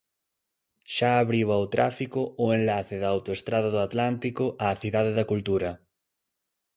Xa abriu ao tráfico o enlace da autoestrada do Atlántico á Cidade da Cultura.